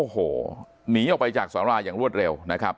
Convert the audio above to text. หนีออกไปจากสวรรค์อย่างรวดเร็วนะครับ